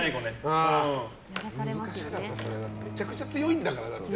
めちゃくちゃ強いんだから。